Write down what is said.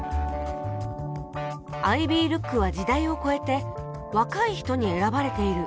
アイビールックは時代を超えて若い人に選ばれている。